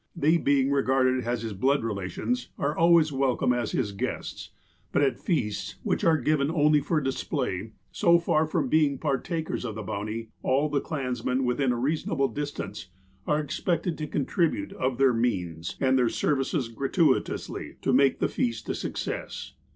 They being regarded as his blood relations, are always welcome as his guests ; but at feasts which are given only for display, so far from being partakers of the bounty, all the clansmen, within a reasonable distance, are expected to contribute of their means, and their services gratuitously, to make the feast a success.